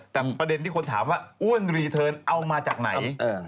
แต่ประเด็นที่คนถามว่าอ้วนรีเทิร์นเอามาจากไหน